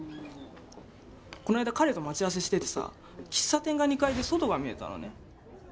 こないだ彼と待ち合わせしててさ喫茶店が２階で外が見えたのね。